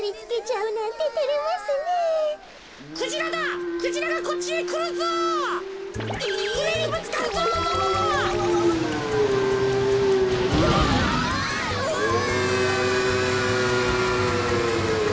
うわ！